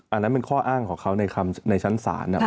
อันนั้นเป็นข้ออ้างของเขาในชั้นศาล